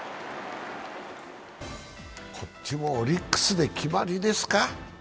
こっちもオリックスで決まりですか？